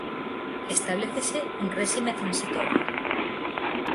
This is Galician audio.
Establécese un réxime transitorio.